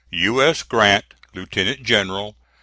"U. S. GRANT, Lieutenant General.